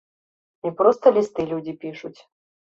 І проста лісты людзі пішуць.